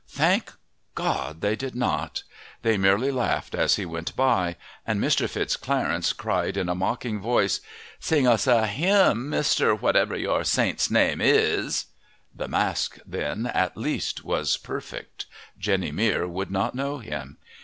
Thank God! they did not. They merely laughed as he went by, and Mr. FitzClarence cried in a mocking voice, "Sing us a hymn, Mr. Whatever your saint's name is!" The mask, then, at least, was perfect. Jenny Mere would not know him.